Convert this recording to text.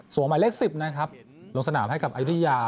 ส่วนหมายเลข๑๐นะครับลงสนามให้กับอายุทยา